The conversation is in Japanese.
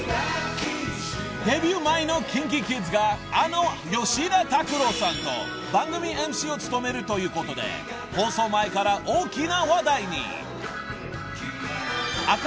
［デビュー前のＫｉｎＫｉＫｉｄｓがあの吉田拓郎さんと番組ＭＣを務めるということで放送前から大きな話題に］